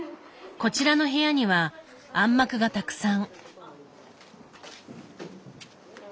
こちらの部屋には暗幕がたくさん。